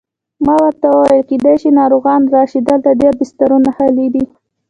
ما ورته وویل: کېدای شي ناروغان راشي، دلته ډېر بسترونه خالي دي.